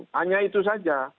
hanya itu saja